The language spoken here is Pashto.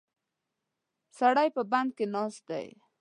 سړی په بند کې ناست دی.